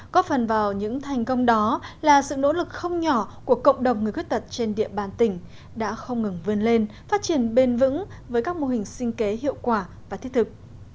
góp phần vào những thành công đó là sự nỗ lực không nhỏ của cộng đồng người khuyết tật trên địa bàn tỉnh đã không ngừng vươn lên phát triển bền vững với các mô hình sinh kế hiệu quả và thiết thực